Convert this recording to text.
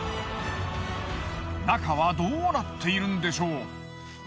中はどうなっているんでしょう？